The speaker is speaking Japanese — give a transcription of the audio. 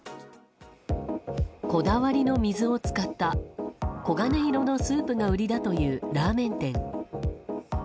こだわりの水を使った黄金色のスープが売りだというラーメン店。